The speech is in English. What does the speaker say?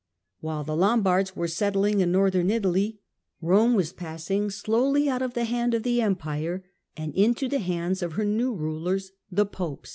While the Lombards were settling in Northern Italy, Rome was passing slowly out of the hand of the Empire and into the hands of her new rulers, the Popes.